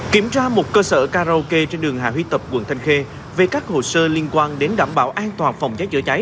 kiểm tra một cơ sở karaoke trên đường hà huy tập quận thanh khê về các hồ sơ liên quan đến đảm bảo an toàn phòng cháy chữa cháy